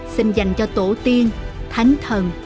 xin dành cho tổ tiên thánh thần